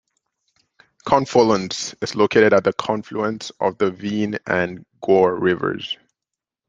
Confolens is located at the confluence of the Vienne and Goire rivers.